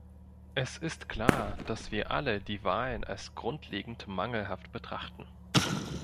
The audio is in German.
Es ist klar, dass wir alle die Wahlen als grundlegend mangelhaft betrachten.